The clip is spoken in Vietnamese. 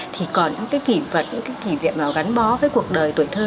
thì còn những cái kỷ vật những cái kỷ niệm nào gắn bó với cuộc đời tuổi thơ